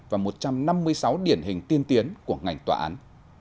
và một trăm năm mươi sáu điển hình tiên tiến của ngành tòa án